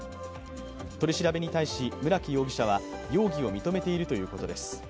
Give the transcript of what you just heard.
取り調べに対し村木容疑者は容疑を認めているということです。